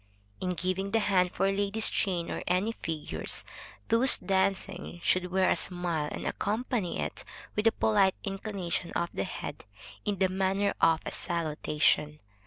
In giving the hand for ladies' chain or any figures, those dancing should wear a smile, and accompany it with a polite inclination of the head, in the manner of a salutation.